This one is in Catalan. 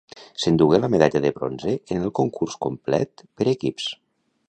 S'endugué la medalla de bronze en el concurs complet per equips.